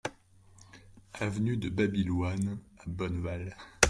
Avenue de Babyloine à Bonneval